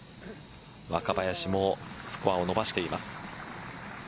若林もスコアを伸ばしています。